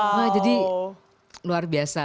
wah jadi luar biasa